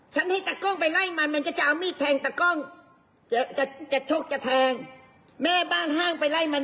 ท่านให้ต๊อก้องไว้ไล่มันมันจะเอามิ้นแทงต๊อก้องจะชกแล้วจะแทง